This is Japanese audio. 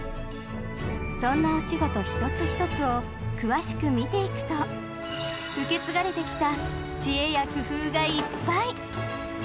そんなお仕事一つ一つを詳しく見ていくと受け継がれてきた知恵や工夫がいっぱい。